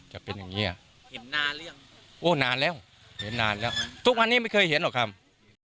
เห็นนานหรือยังโอ้นานแล้วนานแล้วทุกวันนี้ไม่เคยเห็นหรอกครับ